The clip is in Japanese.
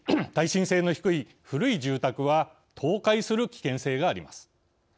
耐震性の低い古い住宅は倒壊する危険性があります。